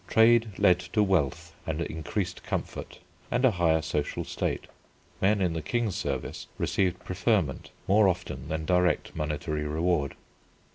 Trade led to wealth and increased comfort and a higher social state. Men in the King's service received preferment more often than direct monetary reward.